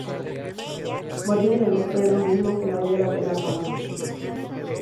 Morir en el acto era un riesgo que valía la pena tomar.